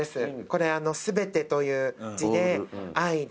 これ全てという字で愛で